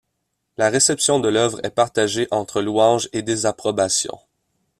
La réception de l’œuvre est partagée entre louange et désapprobation.